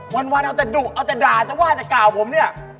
วันเอาแต่ดุเอาแต่ด่าจะว่าแต่กล่าวผมเนี่ย